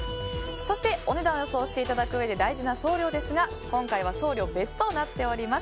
そして、お値段を予想していただくうえで大事な送料ですが今回は送料別となっています。